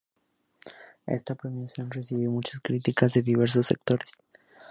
Esta premiación recibió muchas críticas de diversos sectores.